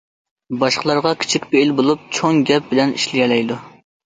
باشقىلارغا كىچىك پېئىل بولۇپ، چوڭ گەپ بىلەن ئىشلىيەلەيدۇ.